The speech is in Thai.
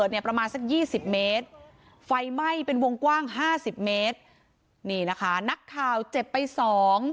นี่นะคะนักข่าวเจ็บไปสอง